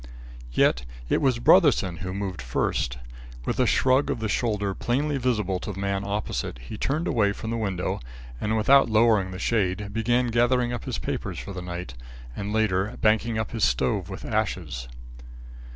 Yet it was Brotherson who moved first. With a shrug of the shoulder plainly visible to the man opposite, he turned away from the window and without lowering the shade began gathering up his papers for the night, and later banking up his stove with ashes.